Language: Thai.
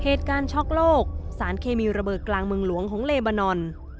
เหตุการณ์ช็อกโลกสารเคมีระเบิดกลางเมืองหลวงของเลบานอน